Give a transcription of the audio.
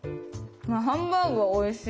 ハンバーグがおいしい。